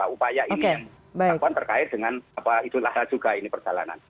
upaya ini yang dilakukan terkait dengan idul adha juga ini perjalanan